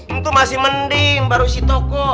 itu masih mending baru isi toko